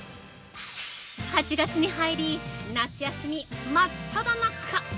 ８月に入り、夏休みも真っただ中！